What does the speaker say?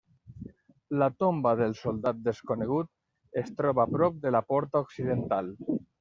La tomba del soldat desconegut es troba prop de la porta occidental.